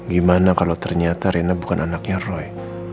gimana kalau ternyata rina bukan anaknya roy